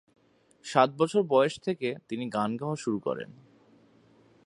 সাত বছর বয়স থেকে তিনি গান গাওয়া শুরু করেন।